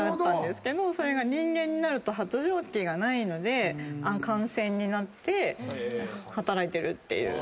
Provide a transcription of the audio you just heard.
それが人間になると発情期がないので汗腺になって働いてるっていう。